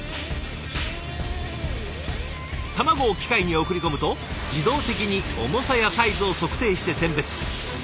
卵を機械に送り込むと自動的に重さやサイズを測定して選別。